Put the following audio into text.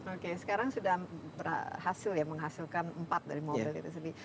oke sekarang sudah berhasil ya menghasilkan empat dari mobil itu sendiri